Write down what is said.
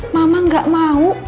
mama gak mau